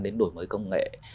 đến đổi mới công nghệ